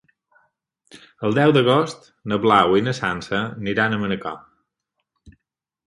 El deu d'agost na Blau i na Sança aniran a Manacor.